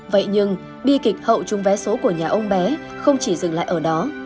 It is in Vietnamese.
vậy nhưng bi kịch hậu chung vé số của nhà ông bé không chỉ dừng lại ở đó